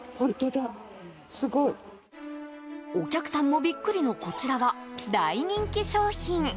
お客さんもビックリのこちらは大人気商品。